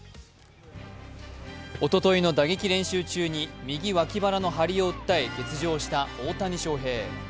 おとといの打撃練習中に右脇腹の張りを訴え欠場した大谷翔平。